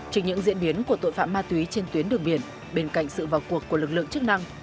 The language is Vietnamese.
trên những diễn biến của tội phạm ma túy trên tuyến đường biển bên cạnh sự vào cuộc của lực lượng chức năng